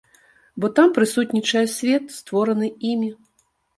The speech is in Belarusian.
Бо там прысутнічае свет, створаны імі.